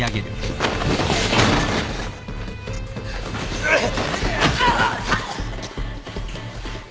うっ。